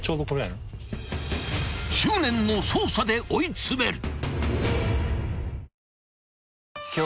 ［執念の捜査で追い詰める！］